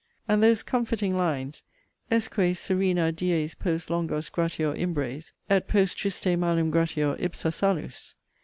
And those comforting lines, 'Estque serena dies post longos gratior imbres, Et post triste malum gratior ipsa salus.'